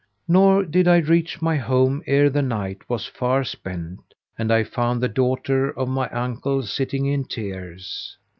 Nor did I reach my home ere the night was far spent and I found the daughter of my uncle sitting in tears.